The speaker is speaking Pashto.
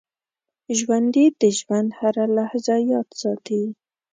ژوندي د ژوند هره لحظه یاد ساتي